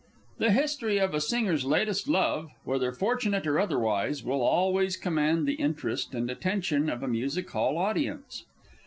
The history of a singer's latest love whether fortunate or otherwise will always command the interest and attention of a Music hall audience.